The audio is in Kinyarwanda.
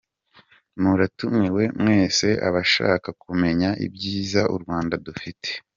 Muratumiwe mwese abashaka kumenya ibyiza u Rwanda dufite.